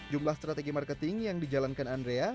jumlah strategi marketing yang dijalankan andrea